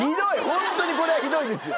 ホントにこれはひどいですよ！